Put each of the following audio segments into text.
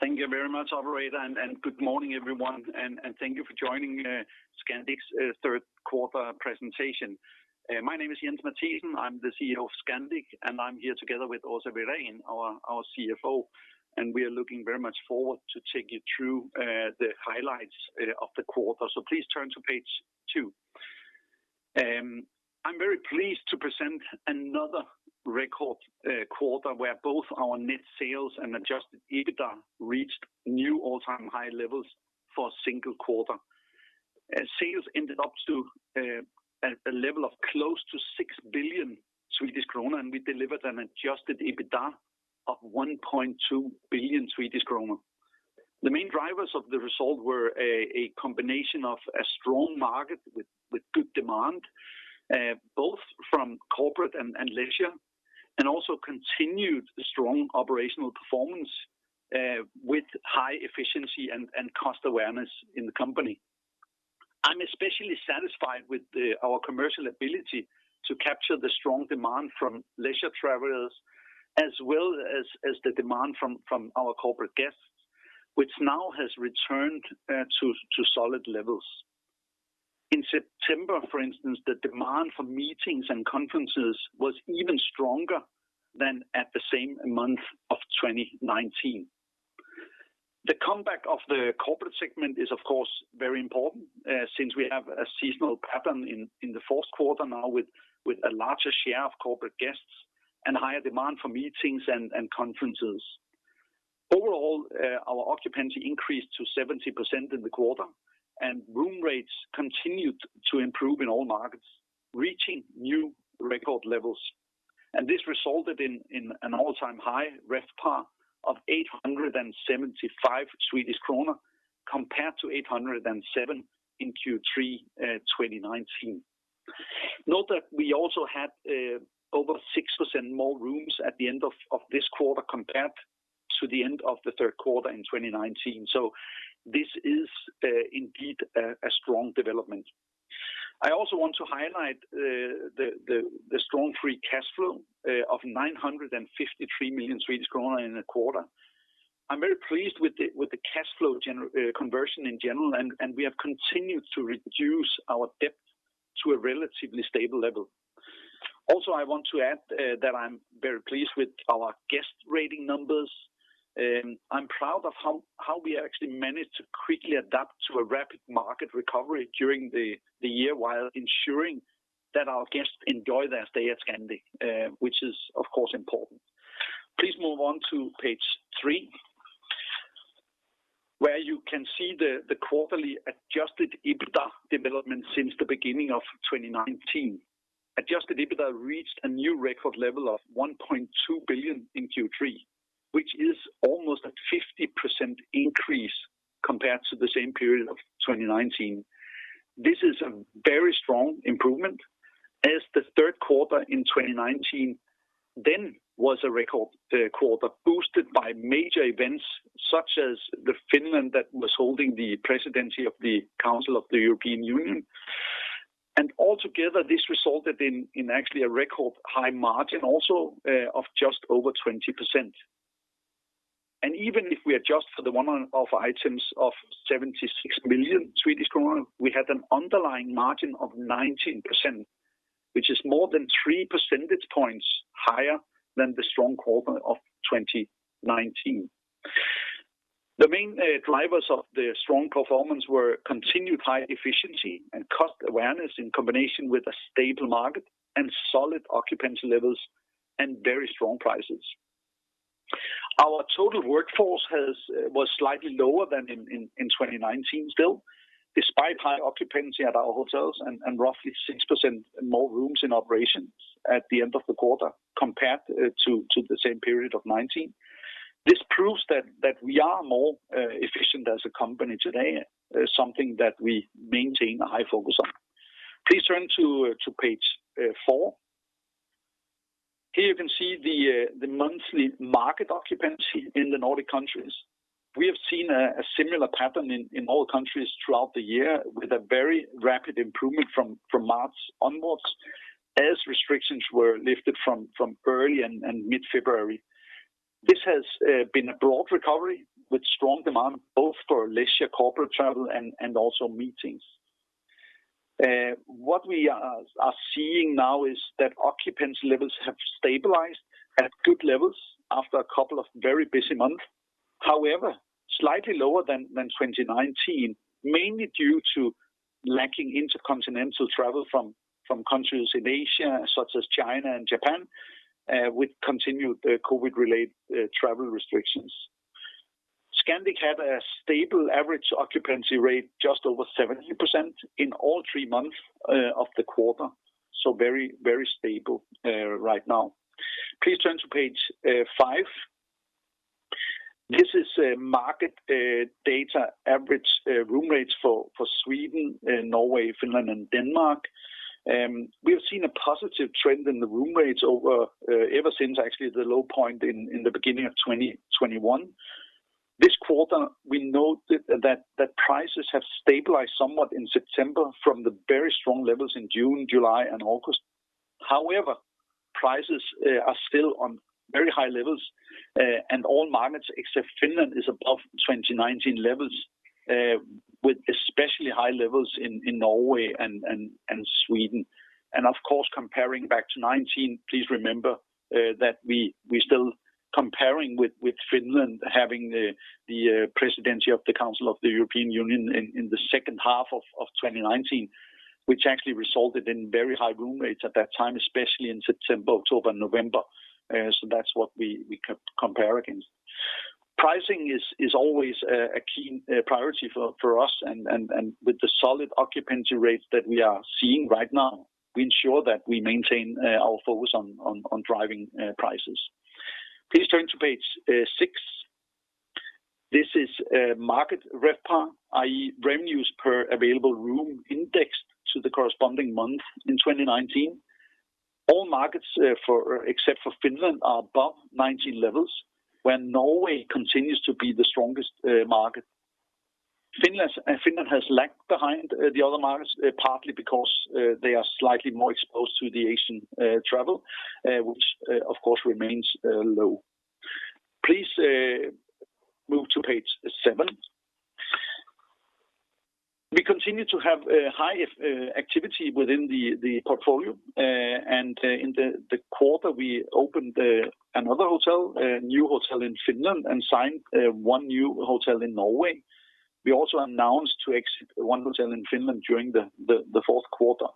Thank you very much, operator, and good morning, everyone, and thank you for joining Scandic's third quarter presentation. My name is Jens Mathiesen, I'm the CEO of Scandic, and I'm here together with Åsa Wirén, our CFO, and we are looking very much forward to take you through the highlights of the quarter. Please turn to page two. I'm very pleased to present another record quarter where both our net sales and adjusted EBITDA reached new all-time high levels for a single quarter. Sales ended up to a level of close to 6 billion Swedish kronor, and we delivered an adjusted EBITDA of 1.2 billion Swedish kronor. The main drivers of the result were a combination of a strong market with good demand both from corporate and leisure, and also continued strong operational performance with high efficiency and cost awareness in the company. I'm especially satisfied with our commercial ability to capture the strong demand from leisure travelers as well as the demand from our corporate guests, which now has returned to solid levels. In September, for instance, the demand for meetings and conferences was even stronger than at the same month of 2019. The comeback of the corporate segment is of course very important since we have a seasonal pattern in the fourth quarter now with a larger share of corporate guests and higher demand for meetings and conferences. Overall, our occupancy increased to 70% in the quarter, and room rates continued to improve in all markets, reaching new record levels. This resulted in an all-time high RevPAR of 875 Swedish kronor compared to 807 in Q3 2019. Note that we also had over 6% more rooms at the end of this quarter compared to the end of the third quarter in 2019. This is indeed a strong development. I also want to highlight the strong free cash flow of 953 million Swedish kronor in a quarter. I'm very pleased with the cash flow generation conversion in general, and we have continued to reduce our debt to a relatively stable level. Also, I want to add that I'm very pleased with our guest rating numbers. I'm proud of how we actually managed to quickly adapt to a rapid market recovery during the year, while ensuring that our guests enjoy their stay at Scandic, which is of course important. Please move on to page three, where you can see the quarterly adjusted EBITDA development since the beginning of 2019. Adjusted EBITDA reached a new record level of 1.2 billion in Q3, which is almost a 50% increase compared to the same period of 2019. This is a very strong improvement as the third quarter in 2019 then was a record quarter boosted by major events such as Finland that was holding the presidency of the Council of the European Union. Altogether, this resulted in actually a record high margin also of just over 20%. Even if we adjust for the one-time off items of 76 million Swedish kronor, we had an underlying margin of 19%, which is more than three percentage points higher than the strong quarter of 2019. The main drivers of the strong performance were continued high efficiency and cost awareness in combination with a stable market and solid occupancy levels and very strong prices. Our total workforce was slightly lower than in 2019 still, despite high occupancy at our hotels and roughly 6% more rooms in operations at the end of the quarter compared to the same period of 2019. This proves that we are more efficient as a company today. That is something that we maintain a high focus on. Please turn to page four. Here you can see the monthly market occupancy in the Nordic countries. We have seen a similar pattern in all countries throughout the year with a very rapid improvement from March onwards as restrictions were lifted from early and mid-February. This has been a broad recovery with strong demand both for leisure corporate travel and also meetings. What we are seeing now is that occupancy levels have stabilized at good levels after a couple of very busy months. However, slightly lower than 2019, mainly due to lacking intercontinental travel from countries in Asia, such as China and Japan, with continued COVID-related travel restrictions. Scandic had a stable average occupancy rate just over 70% in all three months of the quarter, so very, very stable right now. Please turn to page five. This is market data average room rates for Sweden, Norway, Finland and Denmark. We have seen a positive trend in the room rates over ever since actually the low point in the beginning of 2021. This quarter, we noted that prices have stabilized somewhat in September from the very strong levels in June, July, and August. However, prices are still on very high levels and all markets except Finland is above 2019 levels with especially high levels in Norway and Sweden. Of course, comparing back to 2019, please remember that we're still comparing with Finland having the presidency of the Council of the European Union in the second half of 2019, which actually resulted in very high room rates at that time, especially in September, October, and November. So that's what we compare against. Pricing is always a key priority for us and with the solid occupancy rates that we are seeing right now, we ensure that we maintain our focus on driving prices. Please turn to page six. This is Market RevPAR, i.e., revenues per available room indexed to the corresponding month in 2019. All markets except for Finland are above 2019 levels, while Norway continues to be the strongest market. Finland has lagged behind the other markets, partly because they are slightly more exposed to the Asian travel, which of course remains low. Please move to page seven. We continue to have high activity within the portfolio. In the quarter, we opened another hotel, a new hotel in Finland, and signed one new hotel in Norway. We also announced to exit one hotel in Finland during the fourth quarter.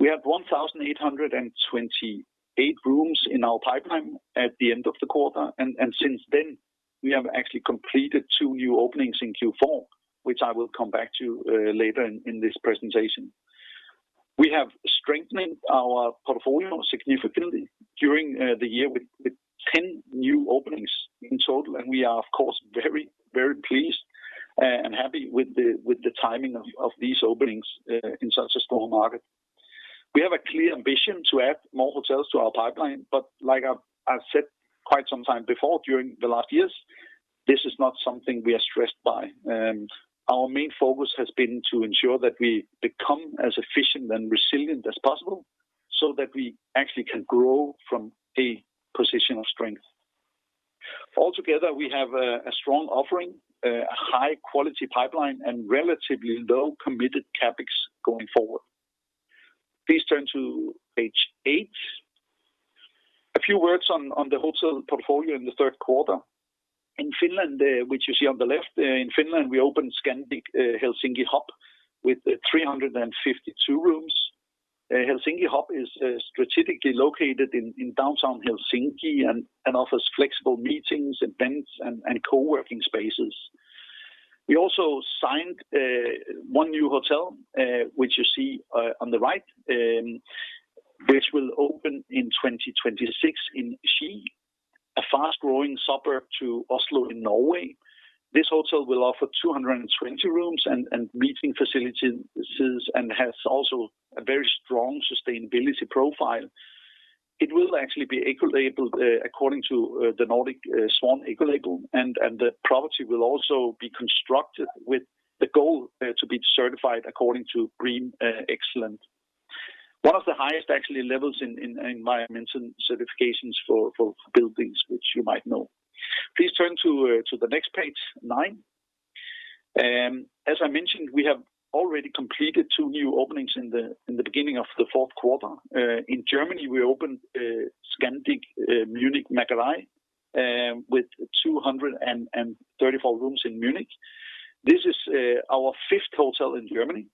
We have 1,828 rooms in our pipeline at the end of the quarter. Since then, we have actually completed two new openings in Q4, which I will come back to later in this presentation. We have strengthened our portfolio significantly during the year with 10 new openings in total, and we are, of course, very pleased and happy with the timing of these openings in such a strong market. We have a clear ambition to add more hotels to our pipeline, but like I've said quite some time before during the last years, this is not something we are stressed by. Our main focus has been to ensure that we become as efficient and resilient as possible so that we actually can grow from a position of strength. Altogether, we have a strong offering, a high quality pipeline, and relatively low committed CapEx going forward. Please turn to page eight. A few words on the hotel portfolio in the third quarter. In Finland, which you see on the left, we opened Scandic Helsinki Hub with 352 rooms. Scandic Helsinki Hub is strategically located in downtown Helsinki and offers flexible meetings, events, and co-working spaces. We also signed one new hotel, which you see on the right, which will open in 2026 in Ski, a fast-growing suburb to Oslo in Norway. This hotel will offer 220 rooms and meeting facilities, and has also a very strong sustainability profile. It will actually be eco-labeled according to the Nordic Swan Ecolabel, and the property will also be constructed with the goal to be certified according to BREEAM Excellent. One of the highest actually levels in environmental certifications for buildings which you might know. Please turn to the next page, nine. As I mentioned, we have already completed two new openings in the beginning of the fourth quarter. In Germany, we opened Scandic München Macherei with 234 rooms in Munich. This is our fifth hotel in Germany,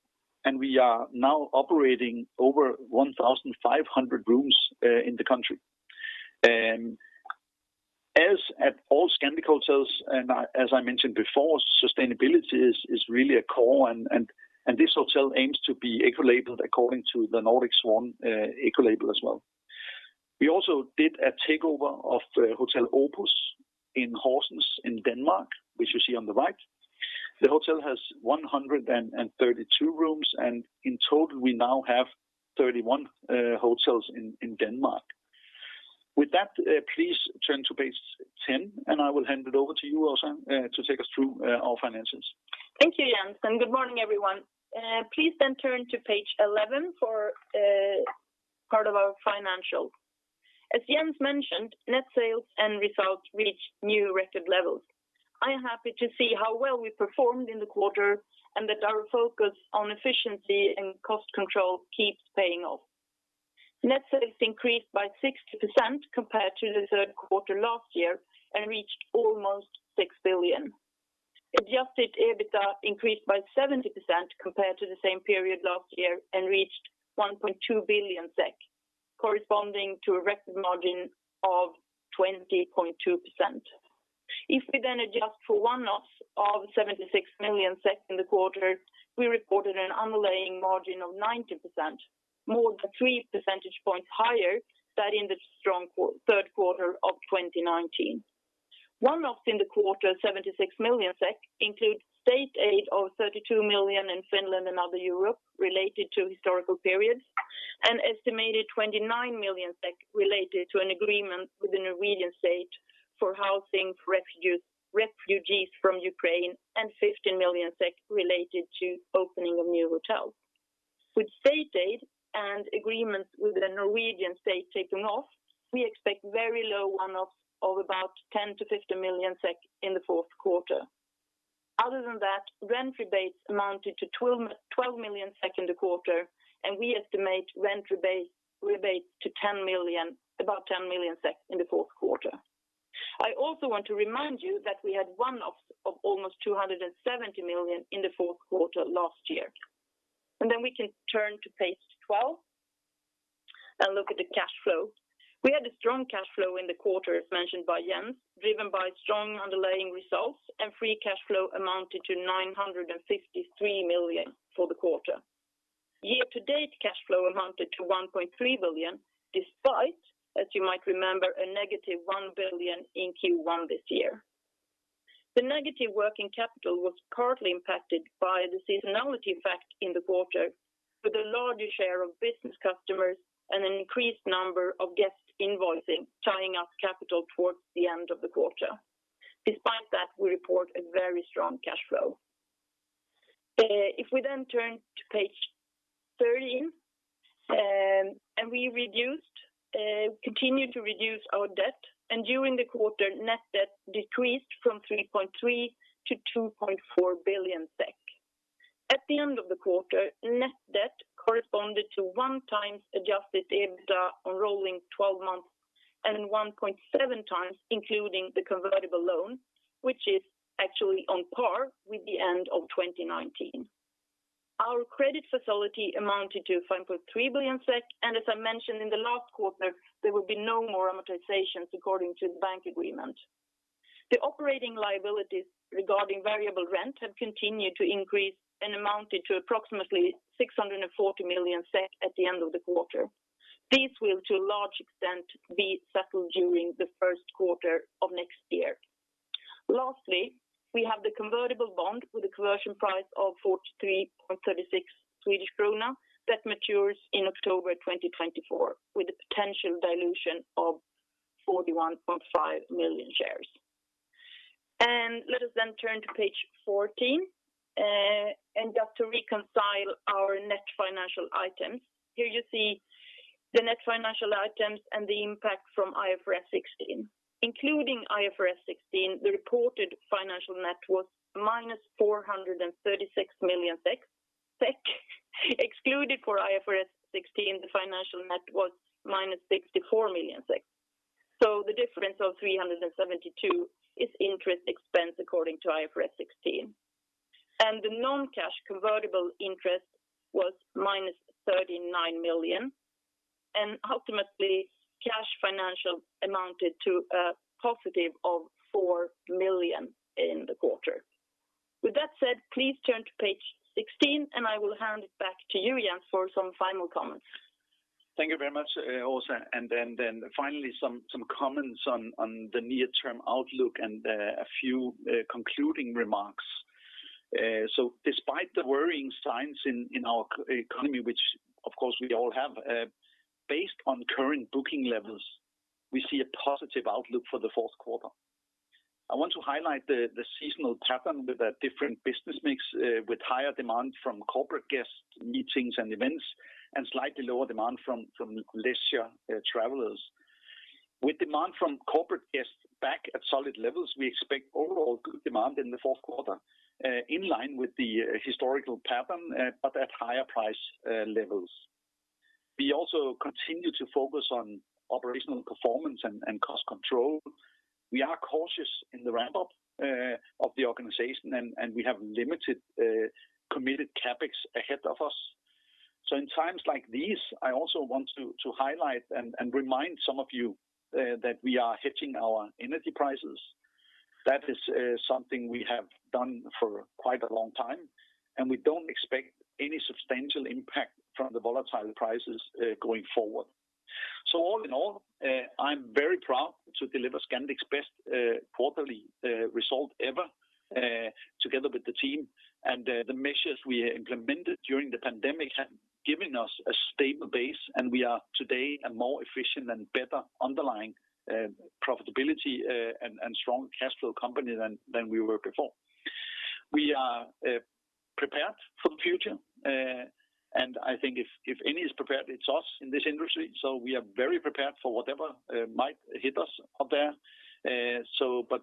and we are now operating over 1,500 rooms in the country. As with all Scandic hotels and, as I mentioned before, sustainability is really a core and this hotel aims to be eco-labeled according to the Nordic Swan Ecolabel as well. We also did a takeover of Hotel Opus Horsens in Denmark, which you see on the right. The hotel has 132 rooms, and in total, we now have 31 hotels in Denmark. With that, please turn to page 10, and I will hand it over to you, Åsa, to take us through our finances. Thank you, Jens, and good morning, everyone. Please then turn to page 11 for part of our financials. As Jens mentioned, net sales and results reached new record levels. I am happy to see how well we performed in the quarter and that our focus on efficiency and cost control keeps paying off. Net sales increased by 60% compared to the third quarter last year and reached almost 6 billion. Adjusted EBITDA increased by 70% compared to the same period last year and reached 1.2 billion SEK, corresponding to a record margin of 20.2%. If we then adjust for one-offs of 76 million in the quarter, we reported an underlying margin of 90%, more than three percentage points higher than in the strong third quarter of 2019. One-offs in the quarter, 76 million SEK, include state aid of 32 million in Finland and other Europe related to historical periods. An estimated 29 million SEK related to an agreement with the Norwegian state for housing refugees from Ukraine and 15 million SEK related to opening of new hotel. With state aid and agreements with the Norwegian state taken off, we expect very low one-offs of about 10-15 million SEK in the fourth quarter. Other than that, rent rebates amounted to 12 million SEK in the quarter, and we estimate rent rebates to about 10 million in the fourth quarter. I also want to remind you that we had one-offs of almost 270 million in the fourth quarter last year. Then we can turn to page 12 and look at the cash flow. We had a strong cash flow in the quarter, as mentioned by Jens, driven by strong underlying results, and free cash flow amounted to 953 million for the quarter. Year-to-date cash flow amounted to 1.3 billion, despite, as you might remember, a negative 1 billion in Q1 this year. The negative working capital was partly impacted by the seasonality effect in the quarter, with a larger share of business customers and an increased number of guest invoicing tying up capital towards the end of the quarter. Despite that, we report a very strong cash flow. If we turn to page 13, we continued to reduce our debt, and during the quarter, net debt decreased from 3.3 billion to 2.4 billion SEK. At the end of the quarter, net debt corresponded to 1x adjusted EBITDA on rolling 12 months and 1.7x including the convertible loan, which is actually on par with the end of 2019. Our credit facility amounted to 5.3 billion SEK, and as I mentioned in the last quarter, there will be no more amortizations according to the bank agreement. The operating liabilities regarding variable rent have continued to increase and amounted to approximately 640 million SEK at the end of the quarter. These will, to a large extent, be settled during the first quarter of next year. Lastly, we have the convertible bond with a conversion price of 43.36 Swedish krona that matures in October 2024, with a potential dilution of 41.5 million shares. Let us then turn to page 14, and just to reconcile our net financial items. Here you see the net financial items and the impact from IFRS 16. Including IFRS 16, the reported financial net was minus 436 million SEK. Excluded for IFRS 16, the financial net was -64 million. The difference of -372 million is interest expense according to IFRS 16. The non-cash convertible interest was -39 million. Ultimately, cash financial amounted to a positive of 4 million in the quarter. With that said, please turn to page 16, and I will hand it back to you, Jens, for some final comments. Thank you very much, Åsa. Then finally, some comments on the near-term outlook and a few concluding remarks. Despite the worrying signs in our economy, which of course we all have, based on current booking levels, we see a positive outlook for the fourth quarter. I want to highlight the seasonal pattern with a different business mix, with higher demand from corporate guests, meetings and events, and slightly lower demand from leisure travelers. With demand from corporate guests back at solid levels, we expect overall good demand in the fourth quarter, in line with the historical pattern, but at higher price levels. We also continue to focus on operational performance and cost control. We are cautious in the ramp-up of the organization and we have limited committed CapEx ahead of us. In times like these, I also want to highlight and remind some of you that we are hedging our energy prices. That is something we have done for quite a long time, and we don't expect any substantial impact from the volatile prices going forward. All in all, I'm very proud to deliver Scandic's best quarterly result ever together with the team. The measures we implemented during the pandemic have given us a stable base, and we are today a more efficient and better underlying profitability and strong cash flow company than we were before. We are prepared for the future, and I think if any is prepared, it's us in this industry. We are very prepared for whatever might hit us out there.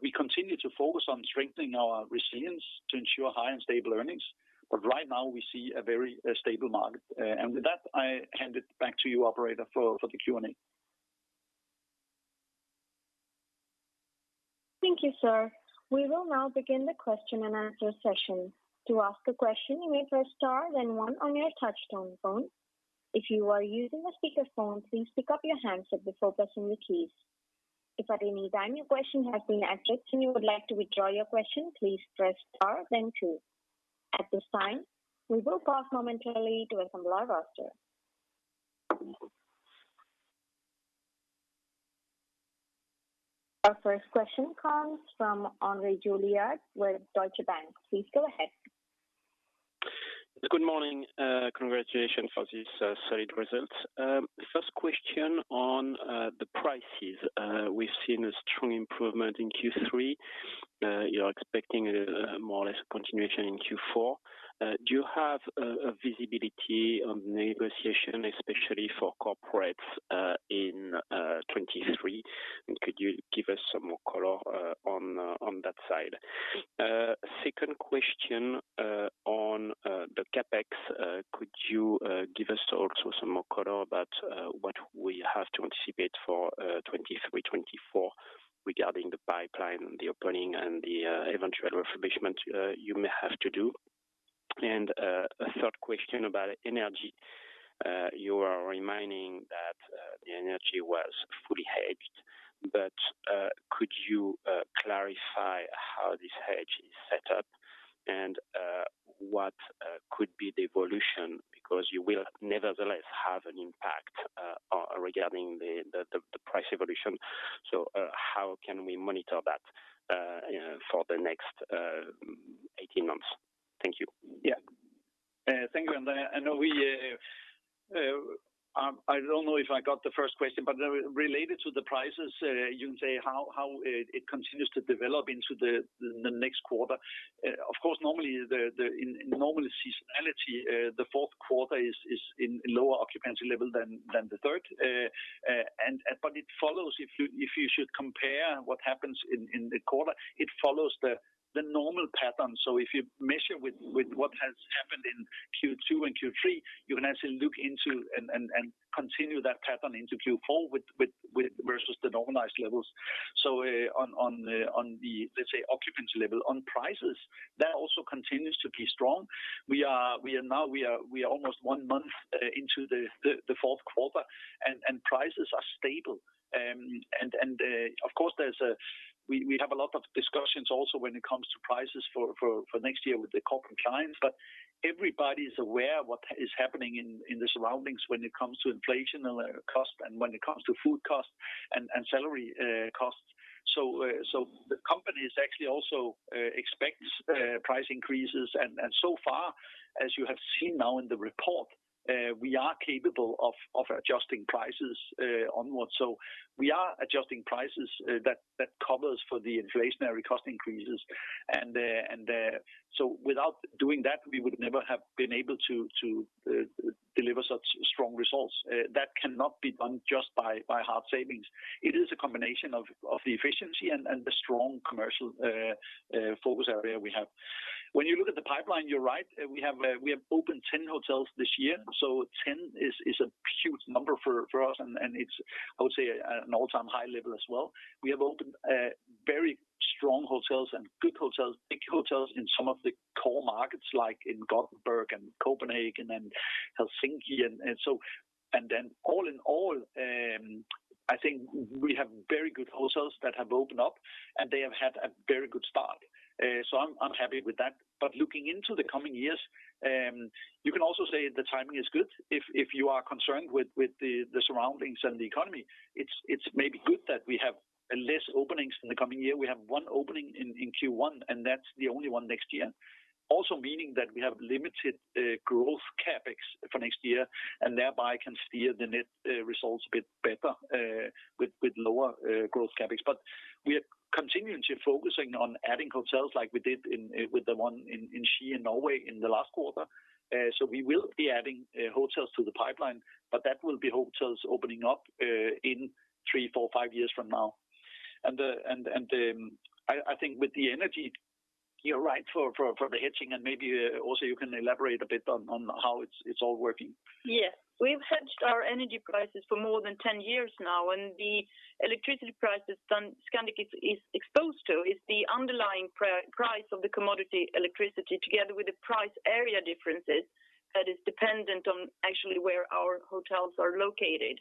We continue to focus on strengthening our resilience to ensure high and stable earnings. Right now, we see a very stable market. With that, I hand it back to you, operator, for the Q&A. Thank you, sir. We will now begin the question and answer session. To ask a question, you may press star, then one on your touchtone phone. If you are using a speakerphone, please pick up your handset before pressing the keys. If at any time your question has been answered and you would like to withdraw your question, please press star then two. At this time, we will pause momentarily to assemble our roster. Our first question comes from André Juillard with Deutsche Bank. Please go ahead. Good morning. Congratulations for this solid results. First question on the prices. We've seen a strong improvement in Q3. You're expecting a more or less continuation in Q4. Do you have a visibility on negotiation, especially for corporates, in 2023? Could you give us some more color on that side? Second question on the CapEx. Could you give us also some more color about what we have to anticipate for 2023, 2024 regarding the pipeline, the opening and the eventual refurbishment you may have to do? A third question about energy. You are reminding that the energy was fully hedged, but could you clarify how this hedge is set up and what could be the evolution? You will nevertheless have an impact regarding the price evolution. How can we monitor that for the next 18 months? Thank you. Thank you, André. I don't know if I got the first question, but related to the prices, you can say how it continues to develop into the next quarter. Of course, normally, in normal seasonality, the fourth quarter is in lower occupancy level than the third. But it follows if you should compare what happens in the quarter, it follows the normal pattern. If you measure with what has happened in Q2 and Q3, you can actually look into and continue that pattern into Q4 with versus the normalized levels. On the, let's say, occupancy level. On prices, that also continues to be strong. We are now almost one month into the fourth quarter and prices are stable. Of course, we have a lot of discussions also when it comes to prices for next year with the corporate clients. Everybody is aware of what is happening in the surroundings when it comes to inflation and cost and when it comes to food costs and salary costs. The companies actually also expect price increases. So far, as you have seen now in the report, we are capable of adjusting prices onwards. We are adjusting prices that covers for the inflationary cost increases. Without doing that, we would never have been able to deliver such strong results. That cannot be done just by hard savings. It is a combination of the efficiency and the strong commercial focus area we have. When you look at the pipeline, you're right. We have opened 10 hotels this year, 10 is a huge number for us. It's, I would say, an all-time high level as well. We have opened very strong hotels and good hotels, big hotels in some of the core markets like in Gothenburg and Copenhagen and Helsinki and so. All in all, I think we have very good hotels that have opened up, and they have had a very good start. I'm happy with that. Looking into the coming years, you can also say the timing is good. If you are concerned with the surroundings and the economy, it's maybe good that we have less openings in the coming year. We have one opening in Q1, and that's the only one next year. Also meaning that we have limited growth CapEx for next year and thereby can steer the net results a bit better with lower growth CapEx. We are continuing to focusing on adding hotels like we did with the one in Ski in Norway in the last quarter. We will be adding hotels to the pipeline, but that will be hotels opening up in three, four, five years from now. I think with the energy, you're right for the hedging and maybe also you can elaborate a bit on how it's all working. Yes. We've hedged our energy prices for more than 10 years now, and the electricity prices Scandic is exposed to is the underlying price of the commodity electricity together with the price area differences that is dependent on actually where our hotels are located.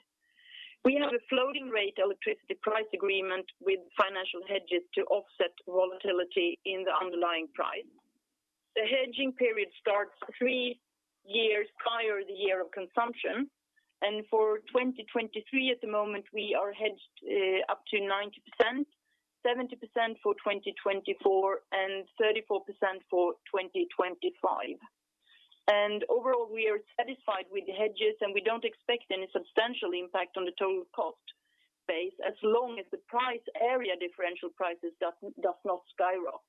We have a floating rate electricity price agreement with financial hedges to offset volatility in the underlying price. The hedging period starts three years prior to the year of consumption. For 2023, at the moment, we are hedged up to 90%, 70% for 2024, and 34% for 2025. Overall, we are satisfied with the hedges, and we don't expect any substantial impact on the total cost base as long as the price area differential prices does not skyrocket.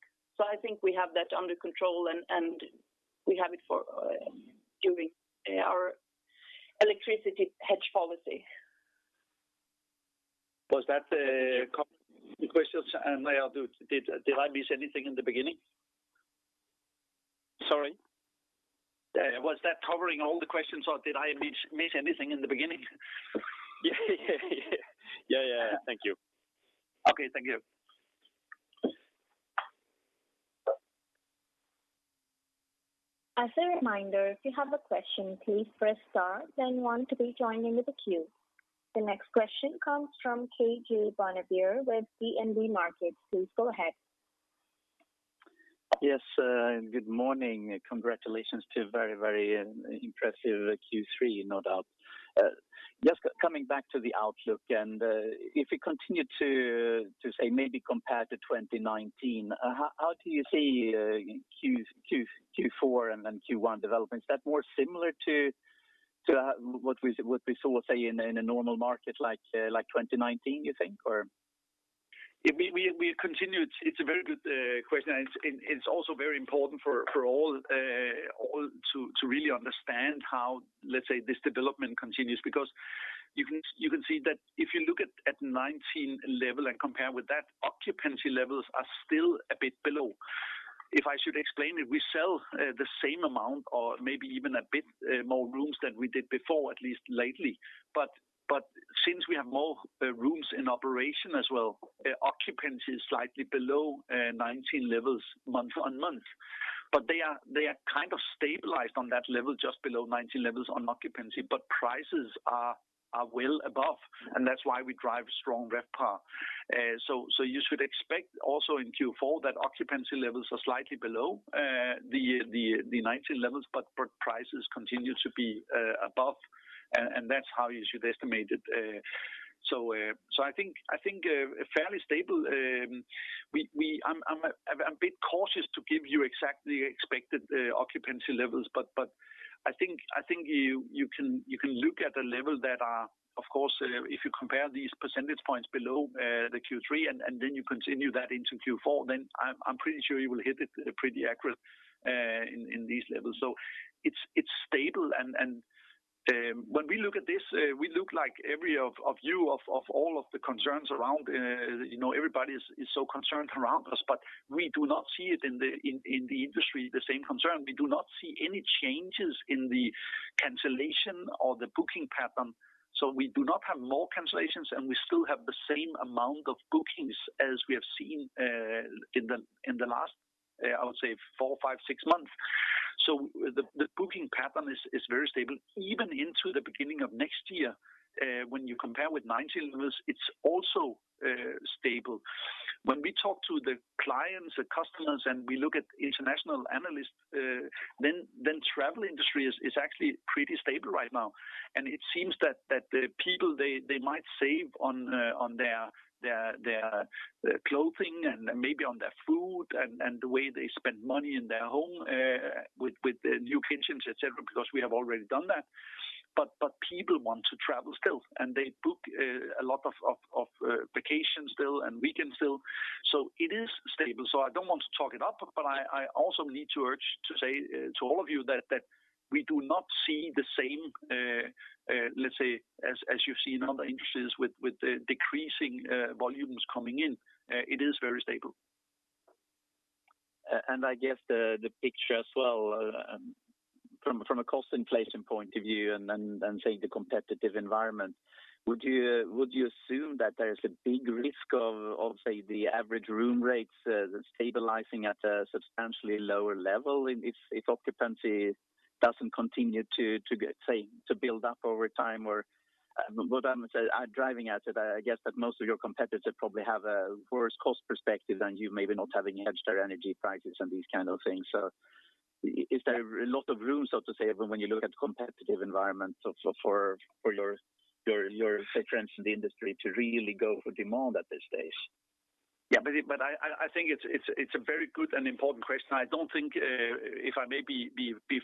I think we have that under control and we have it for during our electricity hedge policy. Was that cover the questions? Did I miss anything in the beginning? Sorry? Was that covering all the questions, or did I miss anything in the beginning? Yeah. Yeah, yeah. Thank you. Okay. Thank you. As a reminder, if you have a question, please press star then one to be joined into the queue. The next question comes from KJ Bonnevier with DNB Markets. Please go ahead. Yes, good morning. Congratulations to a very impressive Q3, no doubt. Just coming back to the outlook and if we continue to say maybe compared to 2019, how do you see Q4 and then Q1 developments? That more similar to what we saw, say, in a normal market like 2019, you think, or? It's a very good question, and it's also very important for all to really understand how, let's say, this development continues. Because you can see that if you look at 2019 level and compare with that, occupancy levels are still a bit below. If I should explain it, we sell the same amount or maybe even a bit more rooms than we did before, at least lately. Since we have more rooms in operation as well, occupancy is slightly below 2019 levels month-on-month. They are kind of stabilized on that level just below 2019 levels on occupancy, but prices are well above, and that's why we drive strong RevPAR. You should expect also in Q4 that occupancy levels are slightly below the 2019 levels, but prices continue to be above, and that's how you should estimate it. I think fairly stable. I'm a bit cautious to give you the exact expected occupancy levels. I think you can look at the levels that are, of course, if you compare these percentage points below the Q3 and then you continue that into Q4, then I'm pretty sure you will hit it pretty accurate in these levels. It's stable. When we look at this, we look at everyone of you, all of the concerns about, you know, everybody is so concerned about us. We do not see it in the industry, the same concern. We do not see any changes in the cancellation or the booking pattern. We do not have more cancellations, and we still have the same amount of bookings as we have seen in the last, I would say four, five, six months. The booking pattern is very stable. Even into the beginning of next year, when you compare with 2019 levels, it's also stable. When we talk to the clients, the customers, and we look at international analysts, then the travel industry is actually pretty stable right now. It seems that the people they might save on their clothing and maybe on their food and the way they spend money in their home with the new kitchens et cetera because we have already done that. People want to travel still and they book a lot of vacations still and weekends still. It is stable. I don't want to talk it up but I also need to urge to say to all of you that we do not see the same let's say as you see in other industries with the decreasing volumes coming in. It is very stable. I guess the picture as well from a cost inflation point of view and, say, the competitive environment, would you assume that there's a big risk of say the average room rates stabilizing at a substantially lower level if occupancy doesn't continue to build up over time? Or what I'm driving at, I guess, that most of your competitors probably have a worse cost perspective than you maybe not having hedged their energy prices and these kind of things. Is there a lot of room, so to say, when you look at the competitive environment so for your, say, trends in the industry to really go for demand at this stage? I think it's a very good and important question. I don't think, if I may be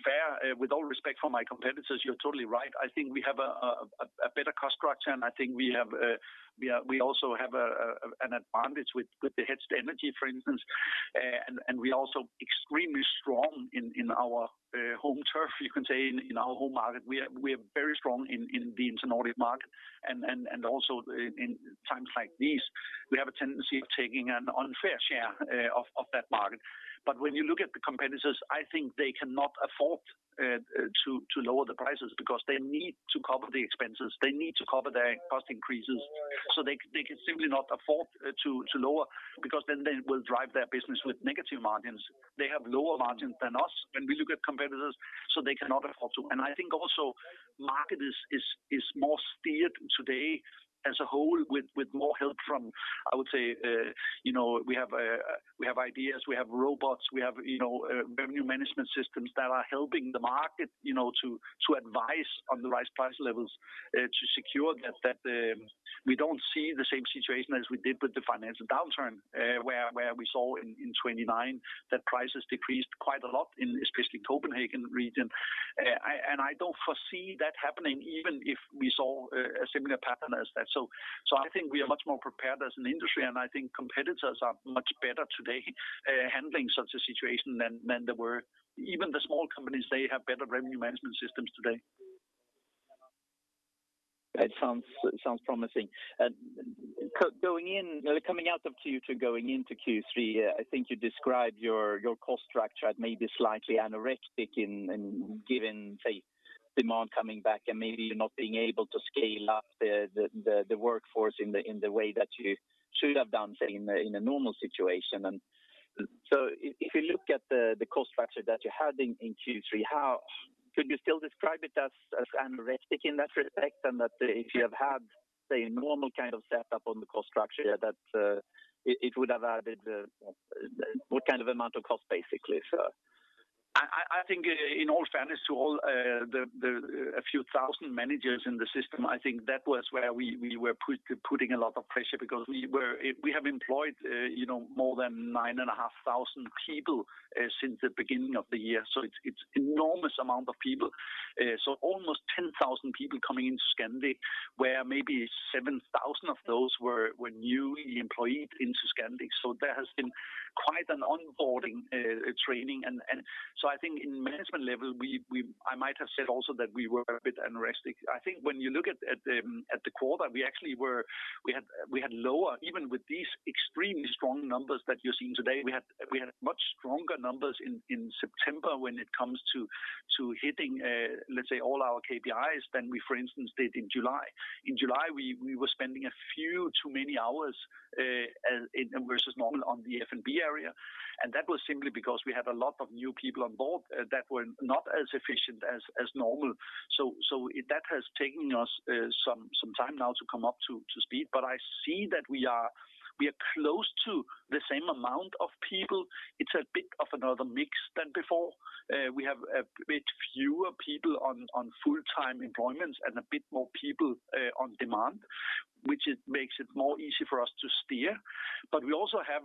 fair, with all respect for my competitors, you're totally right. I think we have a better cost structure, and I think we also have an advantage with the hedged energy, for instance. We're also extremely strong in our home turf, you can say, in our home market. We are very strong in the internal market. Also in times like these, we have a tendency of taking an unfair share of that market. When you look at the competitors, I think they cannot afford to lower the prices because they need to cover the expenses. They need to cover their cost increases. They simply cannot afford to lower because then they will drive their business with negative margins. They have lower margins than us when we look at competitors, so they cannot afford to. I think also market is more steered today as a whole with more help from, I would say, you know, we have ideas. We have robots. We have, you know, revenue management systems that are helping the market, you know, to advise on the right price levels to secure that. We don't see the same situation as we did with the financial downturn, where we saw in 1929 that prices decreased quite a lot especially Copenhagen region. I don't foresee that happening even if we saw a similar pattern as that. I think we are much more prepared as an industry, and I think competitors are much better today handling such a situation than they were. Even the small companies, they have better revenue management systems today. It sounds promising. Coming out of Q2, going into Q3, I think you described your cost structure as maybe slightly anorexic in given, say, demand coming back and maybe not being able to scale up the workforce in the way that you should have done, say, in a normal situation. If you look at the cost structure that you had in Q3, could you still describe it as anorexic in that respect, and that if you have had, say, a normal kind of setup on the cost structure, it would have added what kind of amount of cost, basically, sir? I think in all fairness to all, a few thousand managers in the system. I think that was where we were putting a lot of pressure because we have employed, you know, more than 9,500 people since the beginning of the year. It's enormous amount of people. Almost 10,000 people coming into Scandic, where maybe 7,000 of those were newly employed into Scandic. There has been quite an onboarding training. I think in management level, I might have said also that we were a bit anorexic. I think when you look at the quarter, we actually had lower. Even with these extremely strong numbers that you're seeing today, we had much stronger numbers in September when it comes to hitting, let's say, all our KPIs than we, for instance, did in July. In July, we were spending a few too many hours versus normal on the F&B area, and that was simply because we had a lot of new people on board that were not as efficient as normal. That has taken us some time now to come up to speed. I see that we are close to the same amount of people. It's a bit of another mix than before. We have a bit fewer people on full-time employment and a bit more people on demand, which makes it more easy for us to steer. We also have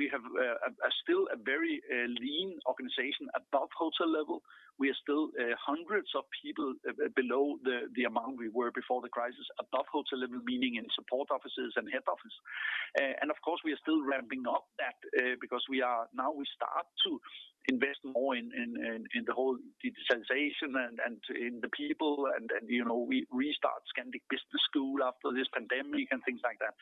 a still very lean organization above hotel level. We are still hundreds of people below the amount we were before the crisis, above hotel level, meaning in support offices and head office. Of course, we are still ramping up that because now we start to invest more in the whole digitization and in the people and, you know, we restart Scandic Business School after this pandemic and things like that.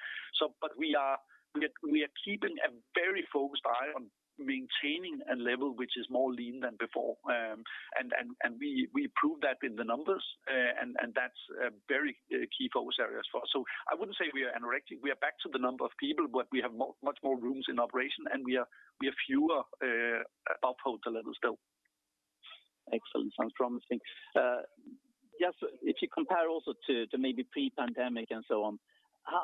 We are keeping a very focused eye on maintaining a level which is more lean than before. We prove that in the numbers, and that's a very key focus area as well. I wouldn't say we are anorexic. We are back to the number of people, but we have much more rooms in operation, and we are fewer above hotel levels though. Excellent. Sounds promising. Yes, if you compare also to maybe pre-pandemic and so on,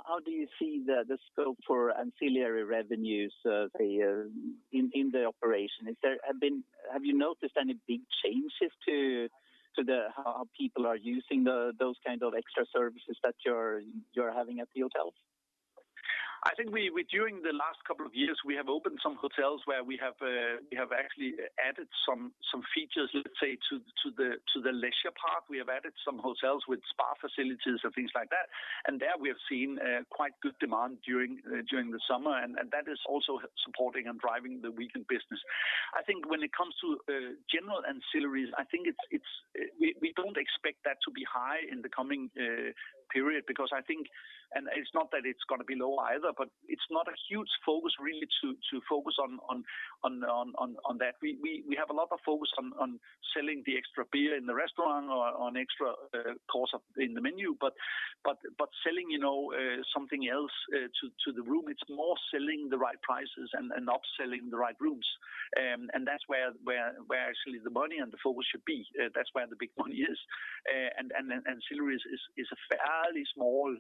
how do you see the scope for ancillary revenues in the operation? Have you noticed any big changes to how people are using those kind of extra services that you're having at the hotels? I think we during the last couple of years, we have opened some hotels where we have actually added some features, let's say, to the leisure part. We have added some hotels with spa facilities and things like that. There we have seen quite good demand during the summer, and that is also supporting and driving the weekend business. I think when it comes to general ancillaries, I think it's. We don't expect that to be high in the coming period because I think. It's not that it's gonna be low either, but it's not a huge focus really to focus on that. We have a lot of focus on selling the extra beer in the restaurant or an extra course in the menu. Selling, you know, something else to the room, it's more selling the right prices and upselling the right rooms. That's where actually the money and the focus should be. That's where the big money is. Ancillaries is a fairly small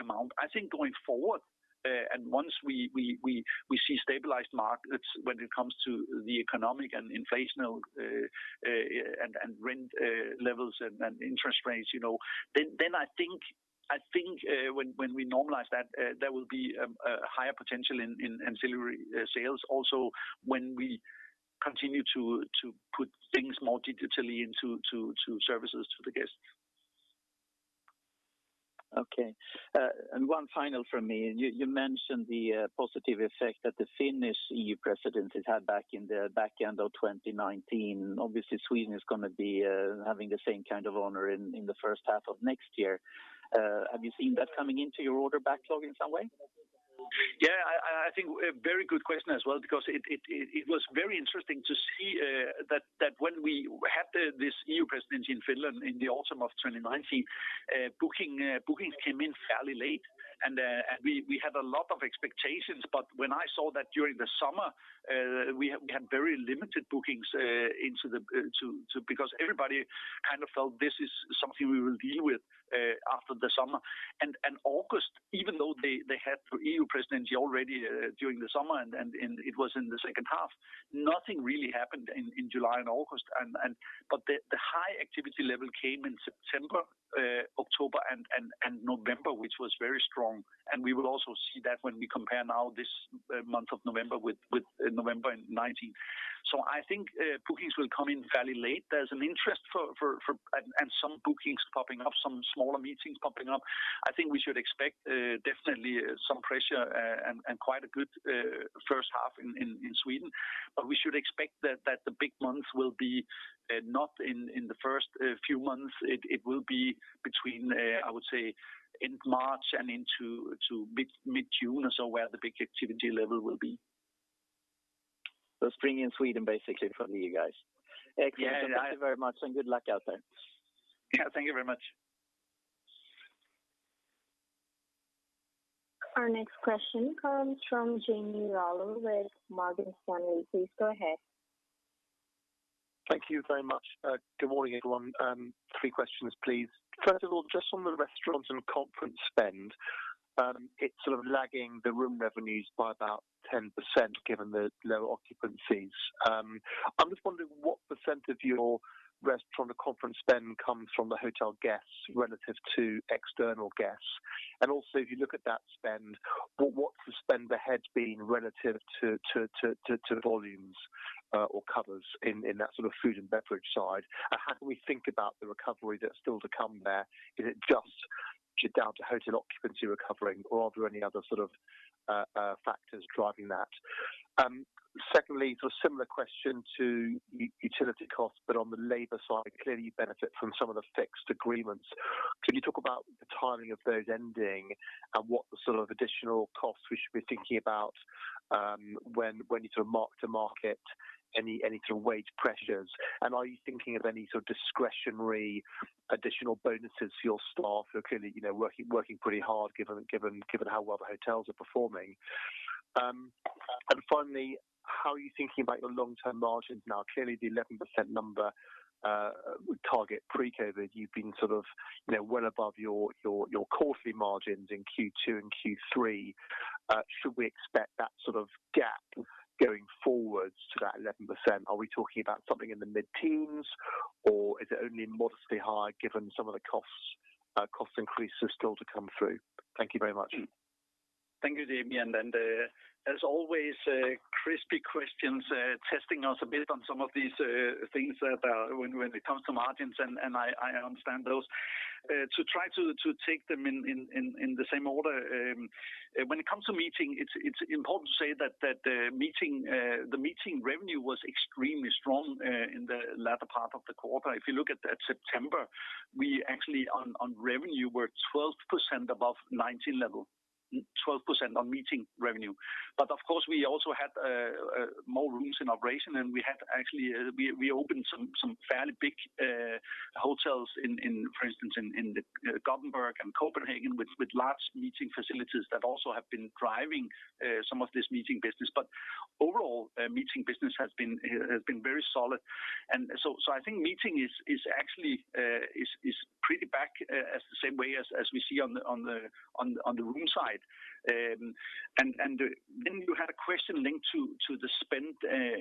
amount. I think going forward, and once we see stabilized markets when it comes to the economy and inflation and rent levels and interest rates, you know, then I think when we normalize that, there will be a higher potential in ancillary sales. When we continue to put things more digitally into services to the guests. One final from me. You mentioned the positive effect that the Finnish EU Presidency had back in the back end of 2019. Obviously, Sweden is gonna be having the same kind of honor in the first half of next year. Have you seen that coming into your order backlog in some way? Yeah. I think a very good question as well because it was very interesting to see that when we had this EU presidency in Finland in the autumn of 2019, bookings came in fairly late. We had a lot of expectations. But when I saw that during the summer, we had very limited bookings because everybody kind of felt this is something we will deal with after the summer. August, even though they had EU presidency already during the summer and it was in the second half, nothing really happened in July and August. But the high activity level came in September, October, and November, which was very strong. We will also see that when we compare now this month of November with November in 2019. I think bookings will come in fairly late. There's an interest and some bookings popping up, some smaller meetings popping up. I think we should expect definitely some pressure and quite a good first half in Sweden. We should expect that the big months will be not in the first few months. It will be between, I would say, in March and into mid-June or so, where the big activity level will be. Spring in Sweden, basically, for you guys. Yeah. Excellent. Thank you very much, and good luck out there. Yeah. Thank you very much. Our next question comes from Jamie Rollo with Morgan Stanley. Please go ahead. Thank you very much. Good morning, everyone. Three questions, please. First of all, just on the restaurant and conference spend, it's sort of lagging the room revenues by about 10% given the low occupancies. I'm just wondering what % of your restaurant or conference spend comes from the hotel guests relative to external guests. Also, if you look at that spend, what's the spend per head been relative to to volumes or covers in that sort of Food & Beverage side? How can we think about the recovery that's still to come there? Is it just down to hotel occupancy recovering, or are there any other sort of factors driving that? Secondly, a similar question to utility costs, but on the labor side, clearly you benefit from some of the fixed agreements. Can you talk about the timing of those ending and what the sort of additional costs we should be thinking about, when you sort of mark to market any sort of wage pressures? Are you thinking of any sort of discretionary additional bonuses to your staff who are clearly, you know, working pretty hard given how well the hotels are performing? Finally, how are you thinking about your long-term margins? Now, clearly the 11% number, target pre-COVID, you've been sort of, you know, well above your quarterly margins in Q2 and Q3. Should we expect that sort of gap going forwards to that 11%? Are we talking about something in the mid-teens, or is it only modestly higher given some of the costs, cost increases still to come through? Thank you very much. Thank you, Jamie. As always, crisp questions testing us a bit on some of these things that when it comes to margins, and I understand those. To try to take them in the same order, when it comes to meeting, it's important to say that the meeting revenue was extremely strong in the latter part of the quarter. If you look at September, we actually on revenue were 12% above 2019 level. 12% on meeting revenue. Of course, we also had more rooms in operation, and we had actually we opened some fairly big hotels in, for instance, in Gothenburg and Copenhagen with large meeting facilities that also have been driving some of this meeting business. Overall, meeting business has been very solid. I think meeting is actually pretty back as the same way as we see on the room side. And then you had a question linked to the spend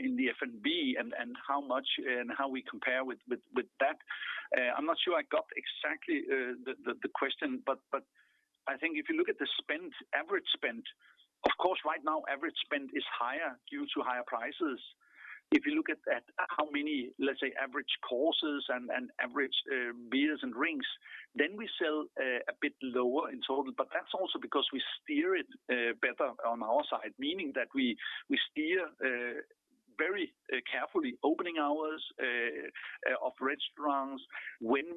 in the F&B and how much and how we compare with that. I'm not sure I got exactly the question, but I think if you look at the spend, average spend, of course right now average spend is higher due to higher prices. If you look at how many, let's say, average courses and average beers and drinks, then we sell a bit lower in total. But that's also because we steer it better on our side, meaning that we steer very carefully opening hours of restaurants, when,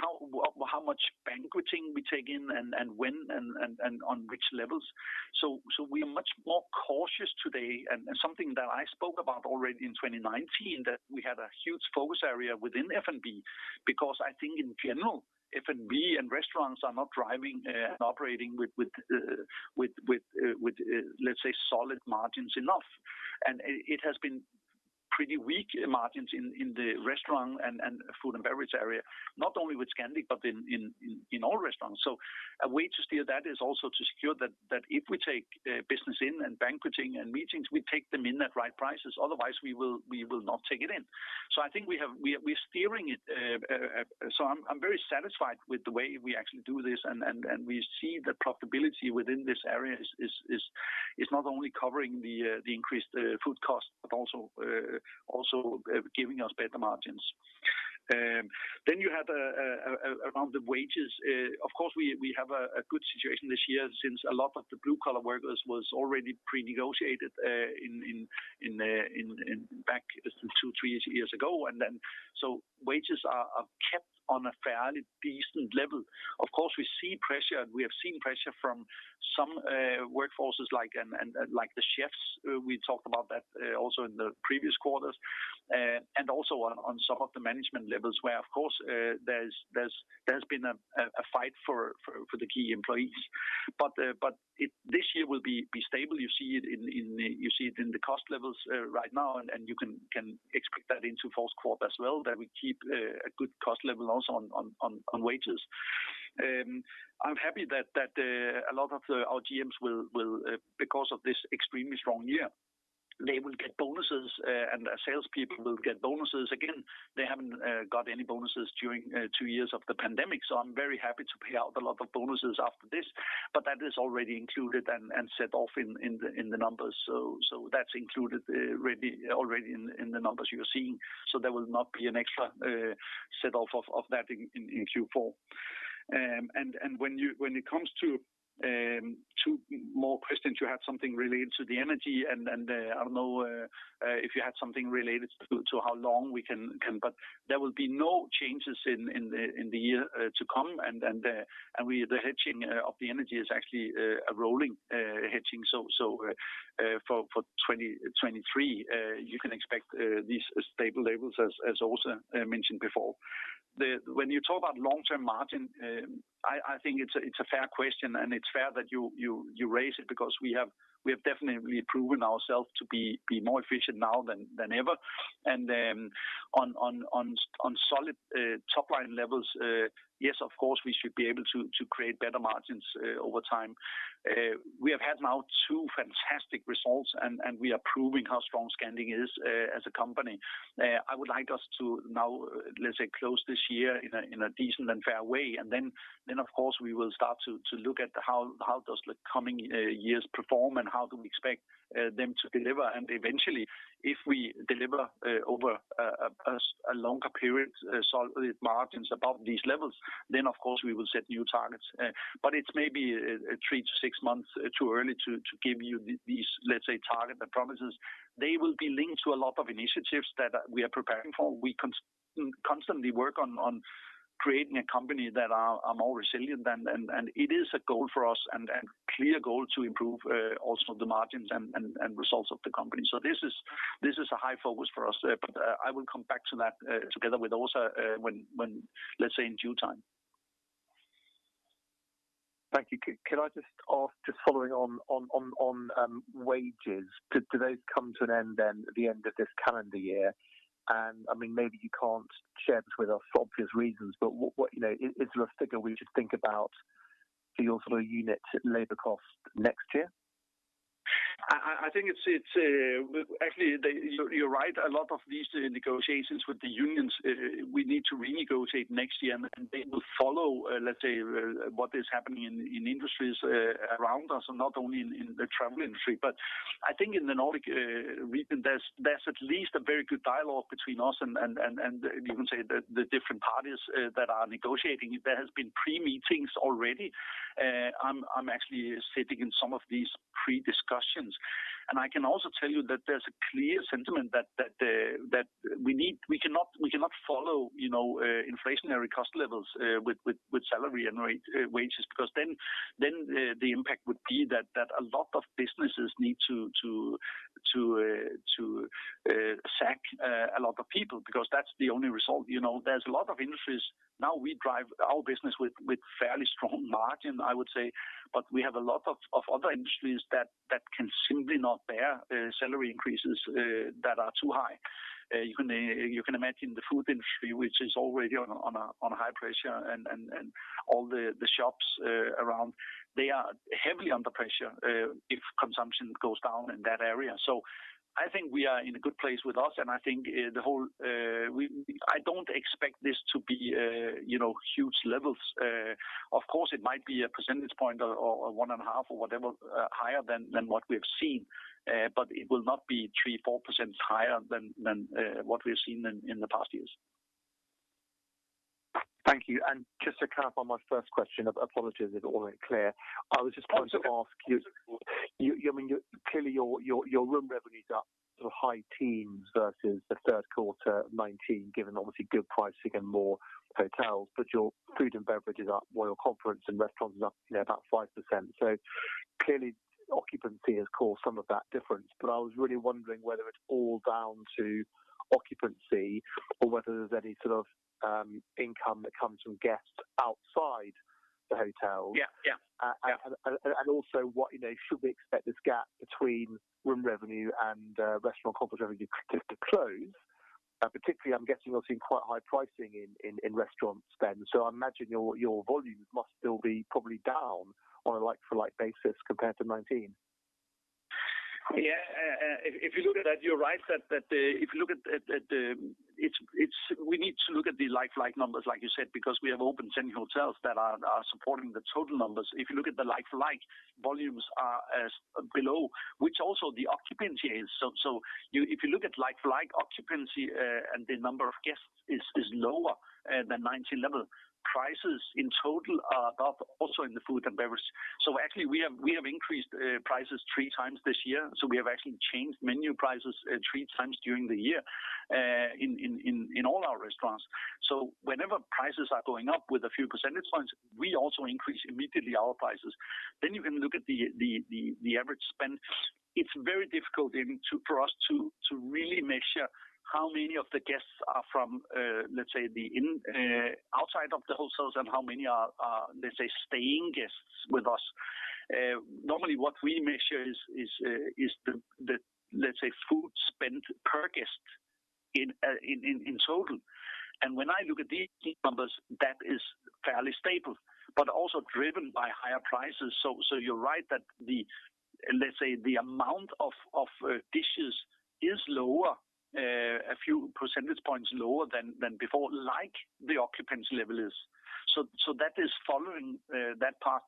how much banqueting we take in and when and on which levels. We are much more cautious today. Something that I spoke about already in 2019, that we had a huge focus area within F&B because I think in general, F&B and restaurants are not driving and operating with solid margins enough. It has been pretty weak margins in the restaurant and Food & Beverage area, not only with Scandic, but in all restaurants. A way to steer that is also to secure that if we take business in and banqueting and meetings, we take them in at right prices. Otherwise, we will not take it in. I think we have. We are steering it. I'm very satisfied with the way we actually do this. We see the profitability within this area is not only covering the increased food costs, but also giving us better margins. You had around the wages. Of course, we have a good situation this year since a lot of the blue collar workers was already pre-negotiated in back two, three years ago. Wages are kept on a fairly decent level. Of course, we see pressure, and we have seen pressure from some workforces like the chefs. We talked about that also in the previous quarters. Also on some of the management levels where of course, there's been a fight for the key employees. This year will be stable. You see it in the cost levels right now, and you can expect that into fourth quarter as well, that we keep a good cost level also on wages. I'm happy that a lot of our GMs will, because of this extremely strong year, they will get bonuses and our salespeople will get bonuses. Again, they haven't got any bonuses during two years of the pandemic, so I'm very happy to pay out a lot of bonuses after this. That is already included and set off in the numbers. That's included really already in the numbers you're seeing. There will not be an extra set off of that in Q4. When it comes to two more questions, you had something related to the energy and I don't know if you had something related to how long we can. There will be no changes in the year to come. The hedging of the energy is actually a rolling hedging. For 2023, you can expect these stable levels as also mentioned before. When you talk about long-term margin, I think it's a fair question, and it's fair that you raise it because we have definitely proven ourselves to be more efficient now than ever. On solid top line levels, yes, of course, we should be able to create better margins over time. We have had now two fantastic results and we are proving how strong Scandic is as a company. I would like us to now, let's say, close this year in a decent and fair way, and then of course, we will start to look at how does the coming years perform and how do we expect them to deliver. Eventually, if we deliver over a longer period solid margins above these levels, then of course we will set new targets. It's maybe three to six months too early to give you these, let's say, target or promises. They will be linked to a lot of initiatives that we are preparing for. We constantly work on creating a company that are more resilient, and it is a goal for us and clear goal to improve also the margins and results of the company. This is a high focus for us, but I will come back to that together with also when, let's say, in due time. Thank you. Can I just ask, just following on, wages. Do those come to an end then at the end of this calendar year? I mean, maybe you can't share this with us for obvious reasons, but what, you know? Is there a figure we should think about for your sort of unit labor cost next year? Actually, you're right. A lot of these negotiations with the unions we need to renegotiate next year, and they will follow, let's say, what is happening in industries around us and not only in the travel industry. I think in the Nordic region, there's at least a very good dialogue between us and you can say the different parties that are negotiating. There has been pre-meetings already. I'm actually sitting in some of these pre-discussions. I can also tell you that there's a clear sentiment that we cannot follow, you know, inflationary cost levels with salary and wage rates because then the impact would be that a lot of businesses need to sack a lot of people because that's the only result. You know, there's a lot of industries. Now we drive our business with fairly strong margin, I would say. We have a lot of other industries that can simply not bear salary increases that are too high. You can imagine the food industry, which is already under high pressure and all the shops around, they are heavily under pressure if consumption goes down in that area. I think we are in a good place with us, and I think I don't expect this to be, you know, huge levels. Of course, it might be a percentage point or 0.5% or whatever higher than what we have seen. It will not be 3%-4% higher than what we've seen in the past years. Thank you. Just to clarify my first question, apologies if it wasn't clear. I was just going to ask you. Absolutely. I mean, clearly your room revenue's up sort of high teens versus the third quarter 2019, given obviously good pricing and more hotels, but your Food & Beverage is up, well, your conference and restaurant is up, you know, about 5%. Clearly occupancy has caused some of that difference. I was really wondering whether it's all down to occupancy or whether there's any sort of income that comes from guests outside the hotel. Yeah. Yeah. Also what, you know, should we expect this gap between room revenue and restaurant conference revenue to close? Particularly, I'm guessing you're seeing quite high pricing in restaurant spend. I imagine your volumes must still be probably down on a like-for-like basis compared to 2019. Yeah. If you look at that, you're right that if you look at it. We need to look at the like-for-like numbers, like you said, because we have opened 10 hotels that are supporting the total numbers. If you look at the like-for-like, volumes are below, which also the occupancy is. If you look at like-for-like occupancy, and the number of guests is lower than 2019 level. Prices in total are up also in the Food & Beverage. Actually, we have increased prices 3x this year. We have actually changed menu prices 3x during the year in all our restaurants. Whenever prices are going up with a few percentage points, we also increase immediately our prices. You can look at the average spend. It's very difficult even to, for us to really measure how many of the guests are from, let's say, outside of the hotels and how many are staying guests with us. Normally what we measure is the, let's say, food spent per guest in total. When I look at these numbers, that is fairly stable, but also driven by higher prices. You're right that the, let's say, the amount of dishes is lower, a few percentage points lower than before, like the occupancy level is. That is following that part.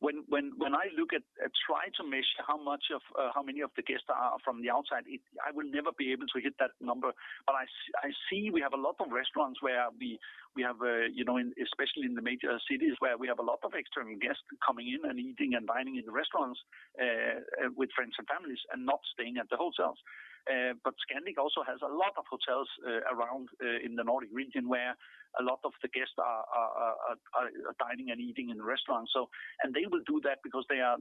When I try to measure how much of how many of the guests are from the outside, I will never be able to hit that number. I see we have a lot of restaurants where we have a, you know, especially in the major cities, where we have a lot of external guests coming in and eating and dining in restaurants with friends and families and not staying at the hotels. Scandic also has a lot of hotels around in the Nordic region where a lot of the guests are dining and eating in restaurants. They will do that because they are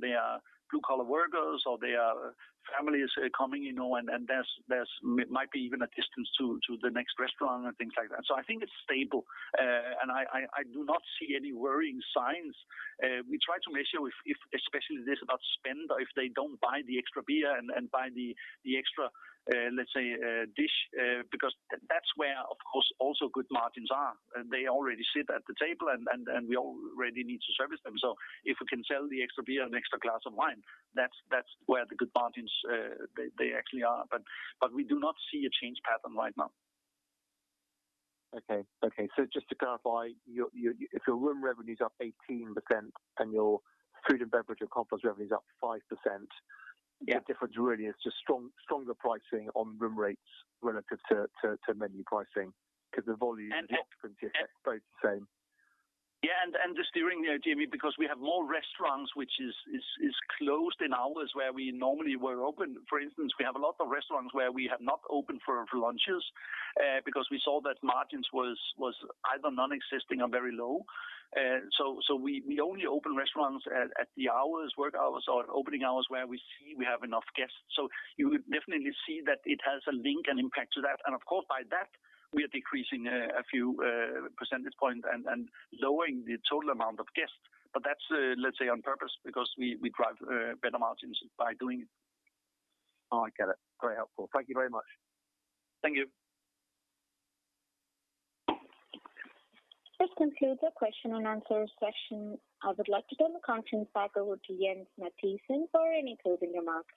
blue-collar workers, or they are families coming, you know, and there's might be even a distance to the next restaurant and things like that. I think it's stable. I do not see any worrying signs. We try to measure if, especially this about spend, or if they don't buy the extra beer and buy the extra, let's say, dish, because that's where, of course, also good margins are. They already sit at the table and we already need to service them. If we can sell the extra beer and extra glass of wine, that's where the good margins, they actually are. We do not see a change pattern right now. Okay. Just to clarify, if your room revenue's up 18% and your Food & Beverage and conference revenue's up 5%? Yeah. The difference really is just stronger pricing on room rates relative to menu pricing because the volume and the frequency are both the same. Yeah. The steering there, Jamie, because we have more restaurants which is closed in hours where we normally were open. For instance, we have a lot of restaurants where we have not opened for lunches, because we saw that margins was either non-existing or very low. We only open restaurants at the hours, work hours or opening hours where we see we have enough guests. You would definitely see that it has a link and impact to that. Of course, by that, we are decreasing a few percentage point and lowering the total amount of guests. That's, let's say, on purpose because we drive better margins by doing it. Oh, I get it. Very helpful. Thank you very much. Thank you. This concludes our question and answer session. I would like to turn the conference back over to Jens Mathiesen for any closing remarks.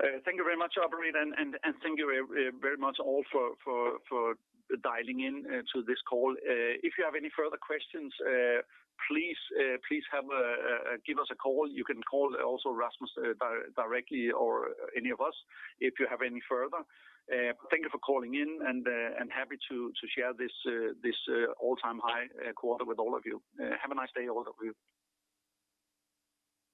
Thank you very much, operator, and thank you very much all for dialing in to this call. If you have any further questions, please give us a call. You can call also Rasmus Blomqvist directly or any of us if you have any further. Thank you for calling in and happy to share this all-time high quarter with all of you. Have a nice day, all of you.